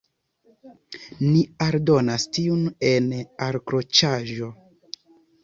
Ni aldonas tion en alkroĉaĵo.